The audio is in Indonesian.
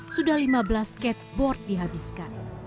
sudah lima belas skateboard dihabiskan